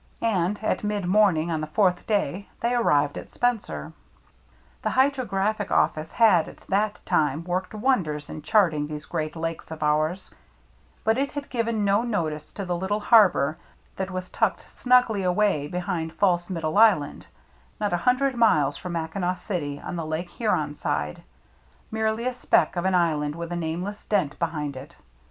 And at mid morning on the fourth day they arrived at Spencer. The Hydrographic Office had at that time worked wonders in charting these Great THE CIRCLE MARK 95 Lakes of ours, but it had given no notice to the little harbor that was tucked snugly away behind False Middle Island, not a hundred miles from Mackinaw City on the Lake Huron side ; merely a speck of an island with a nameless dent behind it.